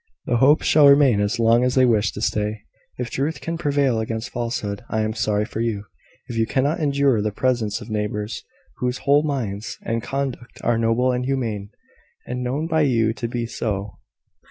"The Hopes shall remain as long as they wish to stay, if truth can prevail against falsehood. I am sorry for you, if you cannot endure the presence of neighbours whose whole minds and conduct are noble and humane, and known by you to be so.